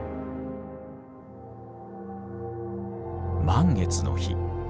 満月の日。